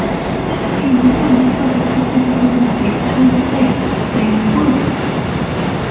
He never recovered the physical energy to undertake sustained work.